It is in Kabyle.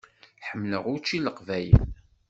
Ḥemmleɣ učči n Leqbayel.